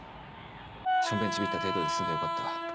ションベンちびった程度で済んでよかった。